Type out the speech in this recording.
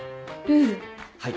はい。